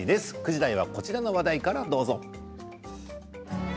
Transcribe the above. ９時台はこちらの話題からどうぞ。